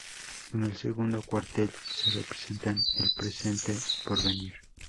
En el segundo cuartel se representan el presente y porvenir.